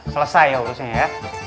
selesai ya urusnya ya